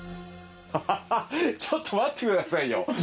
アハハちょっと待ってくださいよ。